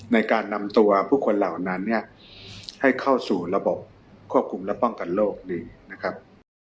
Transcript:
ในการนำตัวผู้คนเหล่านั้นเนี่ยให้เข้าสู่ระบบควบคุมและป้องกันโรคดีนะครับ